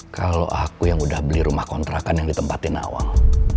kalau aku yang udah beli rumah kontrakan yang ditempatin awal